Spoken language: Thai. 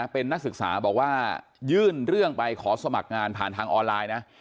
เป็นนักศึกษาบอกว่ายื่นเรื่องไปขอสมัครงานผ่านทางออนไลน์นะ